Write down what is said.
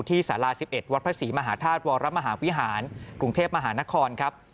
สารา๑๑วัดพระศรีมหาธาตุวรมหาวิหารกรุงเทพมหานครครับ